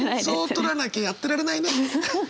そう取らなきゃやってられないね。